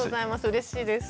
うれしいです。